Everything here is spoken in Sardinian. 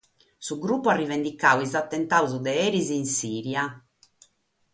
Su grupu at rivendicadu sos atentados de eris in Sìria.